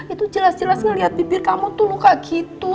itu jelas jelas ngeliat bibir kamu tuh luka gitu